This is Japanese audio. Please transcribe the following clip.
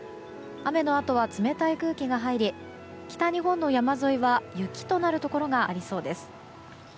雨のあとは冷たい空気が入り北日本の山沿いは雪となるところがありそうです。